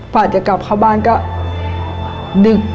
กว่าจะกลับเข้าบ้านก็ดึก